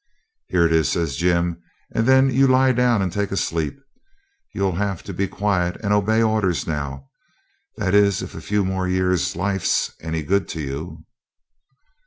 'Here it is,' says Jim; 'and then you lie down and take a sleep. You'll have to be quiet and obey orders now that is if a few more years' life's any good to you.'